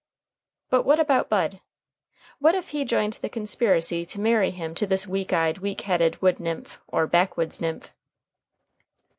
But what about Bud? What if he joined the conspiracy to marry him to this weak eyed, weak headed wood nymph, or backwoods nymph?